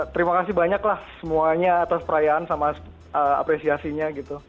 terima kasih banyak lah semuanya atas perayaan sama apresiasinya gitu